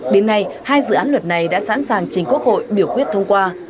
đến nay hai dự án luật này đã sẵn sàng chính quốc hội biểu quyết thông qua